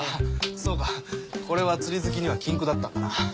そうかこれは釣り好きには禁句だったんだな。